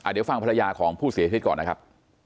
เดี๋ยวฟังภรรยาของผู้เสียชีวิตก่อนนะครับ